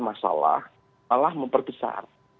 masalah malah memperbesar